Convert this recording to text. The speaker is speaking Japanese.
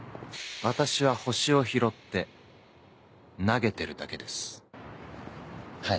私は星を拾って投げてるだけですはい。